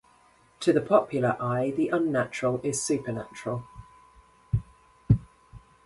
To the popular eye the unnatural is the supernatural.